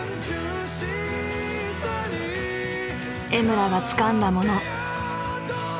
江村がつかんだもの。